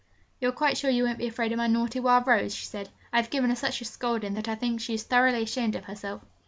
'You are quite sure you won't be afraid of my naughty Wild Rose?' she said. 'I have given her such a scolding, that I think she is thoroughly ashamed of herself.'